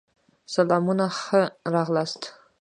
سلامونه ښه راغلاست